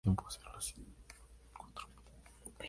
La canción intenta hablar del alma-paquidermo".